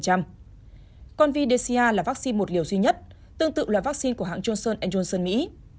còn vdca là vắc xin một liều duy nhất tương tự là vắc xin của hãng johnson johnson mỹ